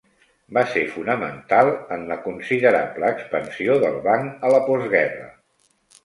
Va ser fonamental en la considerable expansió del banc a la postguerra.